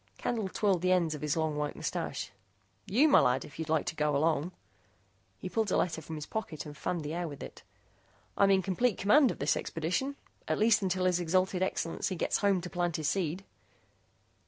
Candle twirled the ends of his long white moustache. "You, my lad, if you'd like to go along." He pulled a letter from his pocket and fanned the air with it. "I'm in complete command of this expedition at least until His Exalted Excellency gets home to plant his seed."